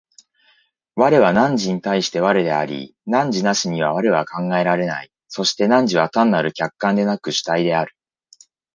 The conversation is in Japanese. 我は汝に対して我であり、汝なしには我は考えられない、そして汝は単なる客観でなく主体である。